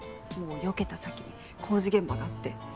よけた先に工事現場があって。